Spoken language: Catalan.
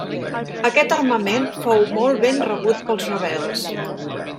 Aquest armament fou molt ben rebut pels rebels.